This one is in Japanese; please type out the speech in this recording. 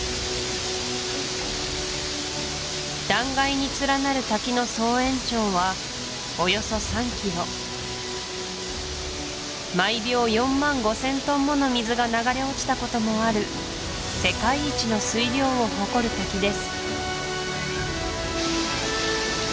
断崖に連なる滝の総延長はおよそ３キロ毎秒４万５０００トンもの水が流れ落ちたこともある世界一の水量を誇る滝です